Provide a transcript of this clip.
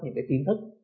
những cái kiến thức